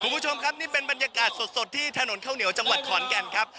คุณผู้ชมครับนี่เป็นบรรยากาศสดที่ถนนข้าวเหนียวจังหวัดขอนแก่นครับ